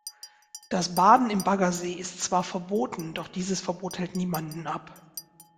Das Baden im Baggersee ist zwar verboten, doch dieses Verbot hält niemanden ab.